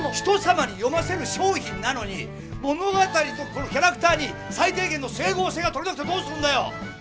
人様に読ませる商品なのに物語とキャラクターに最低限の整合性がとれなくてどうするんだよ！